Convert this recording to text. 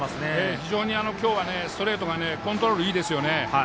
非常に今日はストレートがコントロールいいですよね。